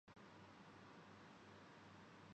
طارق پاشا کو chairman F B R تعینات کردیاگیا